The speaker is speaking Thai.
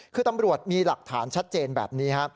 คือตำรวจมีหลักฐานชัดเจนแบบนี้ครับ